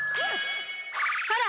ほら！